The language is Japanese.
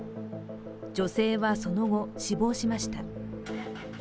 女性はその後、死亡しました。